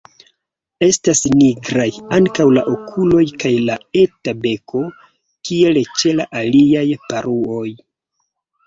Estas nigraj ankaŭ la okuloj kaj la eta beko, kiel ĉe la aliaj paruoj.